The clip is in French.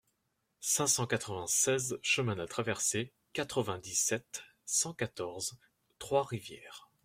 cinq cent quatre-vingt-seize chemin de la Traversée, quatre-vingt-dix-sept, cent quatorze, Trois-Rivières